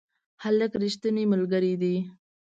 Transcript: هلک رښتینی ملګری دی.